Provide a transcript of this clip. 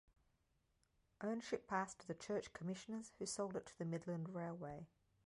Ownership passed to the Church Commissioners, who sold it to the Midland Railway.